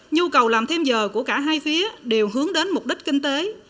nhu cầu làm thêm giờ của cả hai phía đều hướng đến mục đích kinh tế